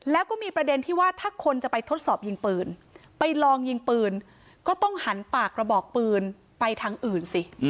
แล้วก็มีประเด็นที่ว่าถ้าคนจะไปทดสอบยิงปืนไปลองยิงปืนก็ต้องหันปากกระบอกปืนไปทางอื่นสิ